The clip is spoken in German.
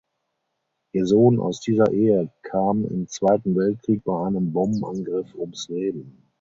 Ihr Sohn aus dieser Ehe kam im Zweiten Weltkrieg bei einem Bombenangriff ums Leben.